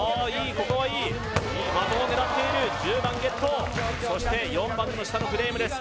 ここはいい的を狙っている１０番ゲットそして４番の下のフレームです